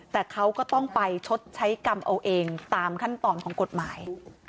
แต่เขาก็ต้องไปชดใช้กรรมเอาเองตามขั้นตอนของกฎหมาย